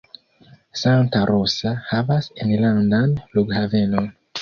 Santa Rosa havas enlandan flughavenon.